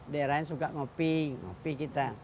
daerahnya suka kopi kopi kita